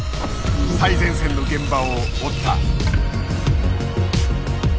最前線の現場を追った。